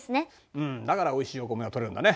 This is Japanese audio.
うんだからおいしいお米が取れるんだね。